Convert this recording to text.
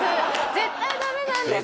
絶対ダメなんです。